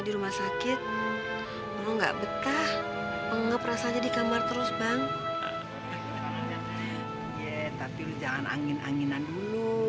di rumah sakit enggak betah enggak perasaan jadi kamar terus bang tapi jangan angin anginan dulu